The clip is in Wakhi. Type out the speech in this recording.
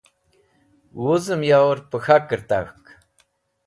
Wuzẽm yor pe k̃hakẽr tak̃hk.